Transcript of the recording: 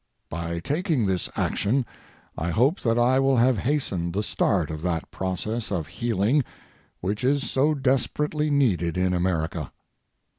By taking this action, I hope that I will have hastened the start of that process of healing which is so desperately needed in America.